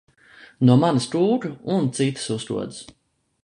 No manis kūka un citas uzkodas!